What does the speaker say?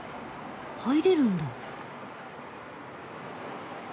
入れるんだ。